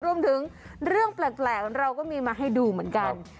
เรื่องแปลกเราก็มีมาให้ดูเหมือนกัน